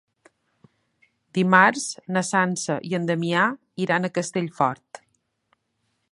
Dimarts na Sança i en Damià iran a Castellfort.